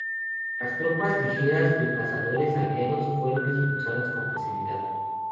Las tropas ligeras de cazadores aliados fueron expulsadas con facilidad.